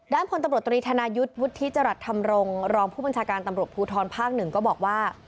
พลตำรวจตรีธนายุทธ์วุฒิจรัสธรรมรงค์รองผู้บัญชาการตำรวจภูทรภาค๑ก็บอกว่า